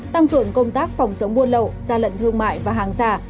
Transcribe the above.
tăng cường công tác phòng chống buôn lậu gian lận thương mại và hàng giả